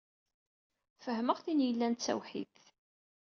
Fehmeɣ tin yellan d tawḥidt.